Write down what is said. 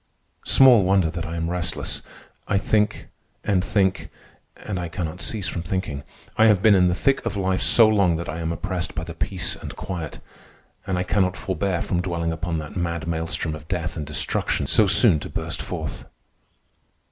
Small wonder that I am restless. I think, and think, and I cannot cease from thinking. I have been in the thick of life so long that I am oppressed by the peace and quiet, and I cannot forbear from dwelling upon that mad maelstrom of death and destruction so soon to burst forth.